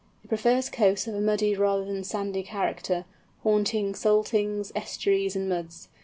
It prefers coasts of a muddy rather than a sandy character, haunting saltings, estuaries, and muds.